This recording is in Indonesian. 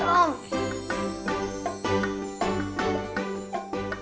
wah keren banget tom